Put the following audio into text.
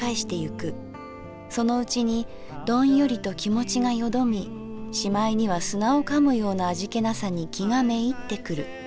そのうちにドンヨリと気持がよどみしまいには砂を噛むような味気なさに気がめいってくる。